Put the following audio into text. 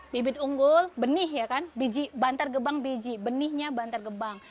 bibit unggul benih ya kan bantar gebang biji benihnya bantar gebang